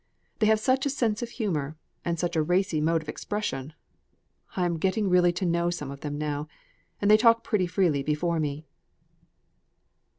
They have such a sense of humour, and such a racy mode of expression! I am getting really to know some of them now, and they talk pretty freely before me."